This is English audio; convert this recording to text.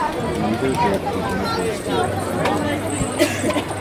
Neither did the University of Iowa.